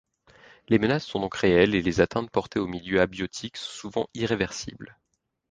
Les menaces sont donc réelles et les atteintes portées au milieu abiotique souvent irréversibles.